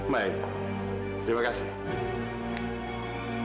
baik terima kasih